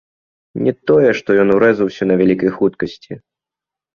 Не тое што ён урэзаўся на вялікай хуткасці.